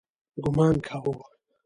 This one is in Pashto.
ګومان کاوه.